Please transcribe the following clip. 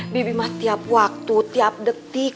bibi mah tiap waktu tiap detik